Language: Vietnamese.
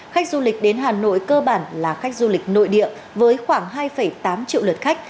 khách du lịch đến hà nội cơ bản là khách du lịch nội địa với khoảng hai tám triệu lượt khách